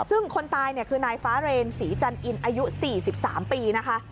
ซึ่งคนตายเนี่ยคือนายฟ้าเรนศรีจันอินอายุ๔๓ปีนะคะ